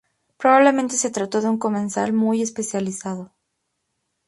Probablemente se trató de un comensal muy especializado.